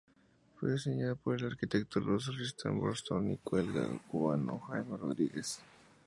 Fue diseñada por el arquitecto ruso Rostislav Vorontsov y su colega cubano Jaime Rodríguez.